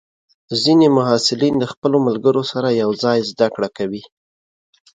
ځینې محصلین د خپلو ملګرو سره یوځای زده کړه کوي.